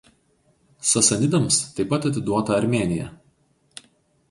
Sasanidams taip pat atiduota Armėnija.